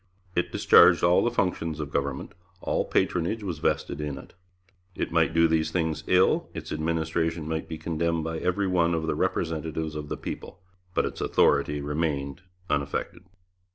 It discharged all the functions of government; all patronage was vested in it. It might do these things ill; its administration might be condemned by every one of the representatives of the people; but its authority remained unaffected.